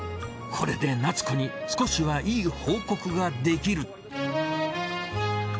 これで夏子に少しはいい報告ができる。